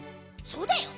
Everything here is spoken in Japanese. そうだよ。